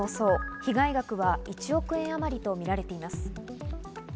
被害額は１億円あまりとみられています。